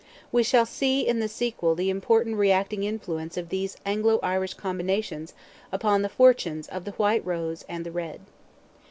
We shall see in the sequel the important reacting influence of these Anglo Irish combinations upon the fortunes of the white rose and the red.